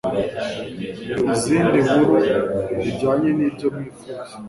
Izindi nkuru bijyanye nibyo mwifuza